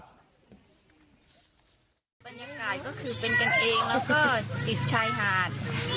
บรรยากาศก็คือเป็นกันเองแล้วก็ติดชายหาด